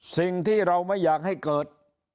สิ่งที่เราไม่อยากให้เกิด